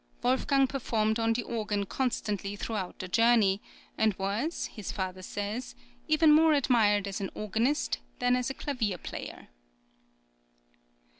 Wolfgang performed on the organ constantly throughout the journey, and was, his father says, even more admired as an organist than as a clavier player.